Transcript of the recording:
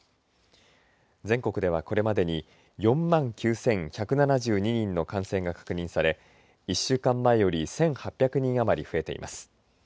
全国では、これまでに４万９１７２人の感染が確認され１週間前より１８００人余り増えています。